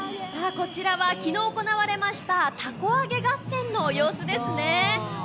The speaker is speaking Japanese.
こちらは、昨日行われました凧揚げ合戦の様子ですね。